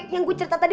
yang gue cerita tadi